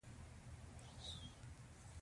ذهني تمرین د دماغ وړتیا لوړوي.